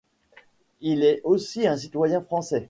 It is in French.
Il est aussi un citoyen français.